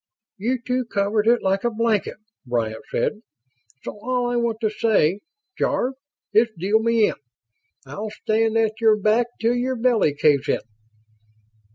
"You two covered it like a blanket," Bryant said. "So all I want to say, Jarve, is deal me in. I'll stand at your back 'til your belly caves in."